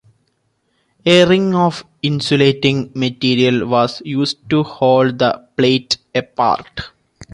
A ring of insulating material was used to hold the plates apart.